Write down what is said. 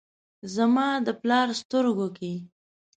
زما د پلار سترګو کې ،